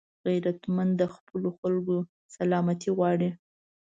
غیرتمند د خپلو خلکو سلامتي غواړي